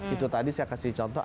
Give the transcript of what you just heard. itu tadi saya kasih contoh